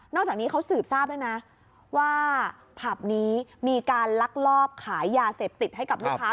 จากนี้เขาสืบทราบด้วยนะว่าผับนี้มีการลักลอบขายยาเสพติดให้กับลูกค้า